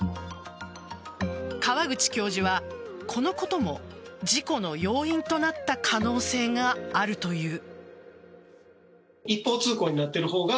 川口教授は、このことも事故の要因となった可能性があるという。